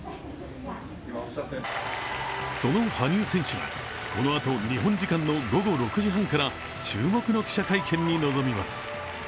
その羽生選手がこのあと日本時間の午後６時半から注目の記者会見に臨みます。